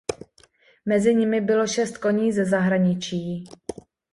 Mezi nimi bylo šest koní ze zahraničí.